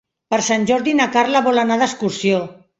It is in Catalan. Per Sant Jordi na Carla vol anar d'excursió.